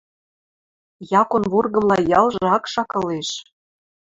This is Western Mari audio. Якон вургымла ялжы акшак ылеш